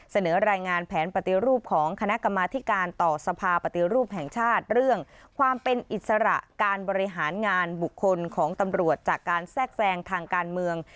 เสนอรายงานแผนปฏิรูปของคณะกรรมาธิการต่อสภาปฏิรูปแห่งชาติเรื่องความเป็นอิสระการบริหารงานบุคคลของตำรวจจากการแทรกแทรงทางการเมือง